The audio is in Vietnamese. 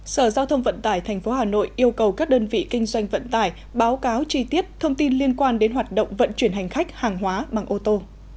sở giao thông vận tải tp hà nội yêu cầu các đơn vị kinh doanh vận tải báo cáo chi tiết thông tin liên quan đến hoạt động vận chuyển hành khách hàng hóa bằng ô tô